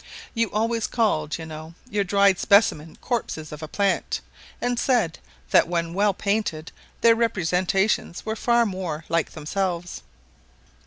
You always called, you know, your dried specimens corpses of plants, and said, that when well painted, their representations were far more like themselves.